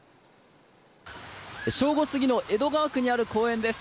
正午過ぎの江戸川区にある公園です。